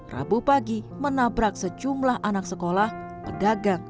rabu pagi menabrak sejumlah anak sekolah pedagang